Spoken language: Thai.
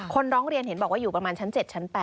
ร้องเรียนเห็นบอกว่าอยู่ประมาณชั้น๗ชั้น๘